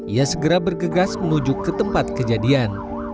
ia segera bergegas menuju ke tempat kejadian